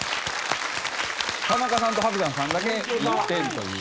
田中さんと伯山さんだけ１点という。